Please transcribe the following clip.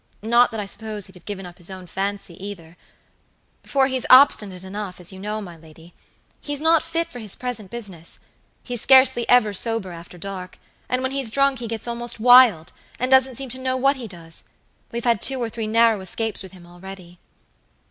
Not that I suppose he'd have given up his own fancy, either; for he's obstinate enough, as you know, my lady. He's not fit for his present business. He's scarcely ever sober after dark; and when he's drunk he gets almost wild, and doesn't seem to know what he does. We've had two or three narrow escapes with him already."